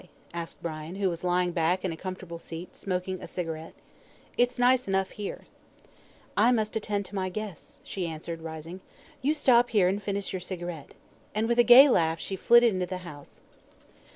asked Brian, who was lying back in a comfortable seat, smoking a cigarette. "It's nice enough here." "I must attend to my guests," she answered, rising. "You stop here and finish your cigarette," and with a gay laugh she flitted into the house.